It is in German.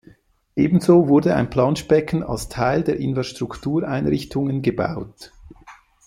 Ebenso wurde ein Planschbecken als Teil der Infrastruktureinrichtungen gebaut.